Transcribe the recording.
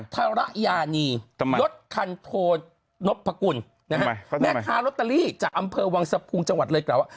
ค้ารอตเตอรี่จากอำเภอวังสะพุงจังหวัดเลเกราะ